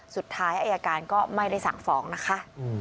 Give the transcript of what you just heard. สุดท้ายอายการก็ไม่ได้สั่งฟ้องนะคะ